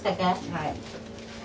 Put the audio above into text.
はい。